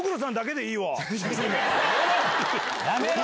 やめろ！